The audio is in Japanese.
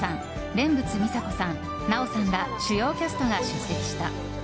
蓮佛美沙子さん、奈緒さんら主要キャストが出席した。